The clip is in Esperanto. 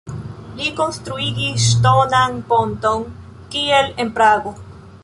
Li konstruigis ŝtonan ponton kiel en Prago.